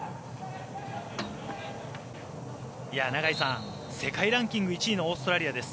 永井さん、世界ランキング１位のオーストラリアです。